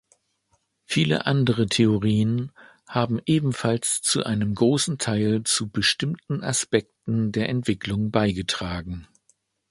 Viele andere Theorien haben ebenfalls einen großen Teil zu bestimmten Aspekten der Entwicklung beigetragen.